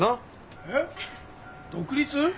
えっ独立？